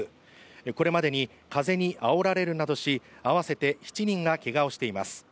これまでに風にあおられるなどし、合わせて７人がけがをしています。